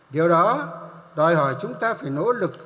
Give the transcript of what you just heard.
điều đó đòi hỏi chúng ta phải nỗ lực